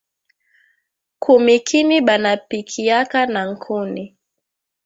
Kumikini banapikiaka na nkuni